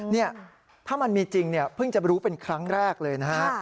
นี่ถ้ามันมีจริงเนี่ยเพิ่งจะรู้เป็นครั้งแรกเลยนะฮะ